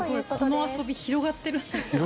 この遊び広がっているんですか。